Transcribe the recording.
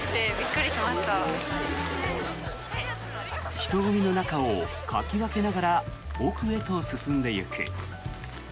人混みの中をかき分けながら奥へと進んでいく。